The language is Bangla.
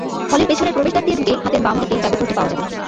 হলের পেছনের প্রবেশদ্বার দিয়ে ঢুকে হাতের বাম দিকে জাদুঘরটি পাওয়া যাবে।